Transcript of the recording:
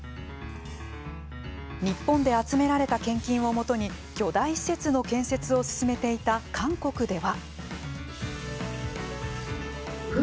日本で集められた献金をもとに巨大施設の建設を進めていた韓国では。